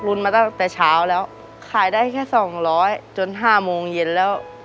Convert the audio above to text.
รุนมาตั้งแต่เช้าแล้วขายได้แค่สองร้อยจนห้าโมงเย็นแล้ว